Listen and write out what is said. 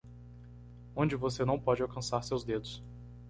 Onde você não pode alcançar seus dedos